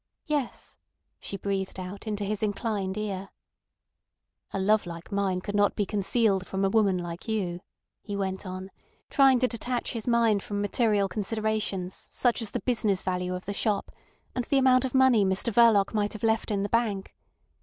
"Yes," she breathed out into his inclined ear. "A love like mine could not be concealed from a woman like you," he went on, trying to detach his mind from material considerations such as the business value of the shop, and the amount of money Mr Verloc might have left in the bank.